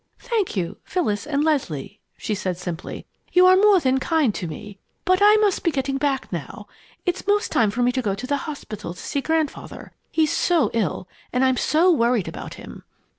"Thank you, Phyllis and Leslie," she said simply. "You are more than kind to me. But I must be getting back now. It's most time for me to go to the hospital to see Grandfather. He's so ill, and I'm so worried about him!"